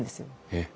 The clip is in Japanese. えっ。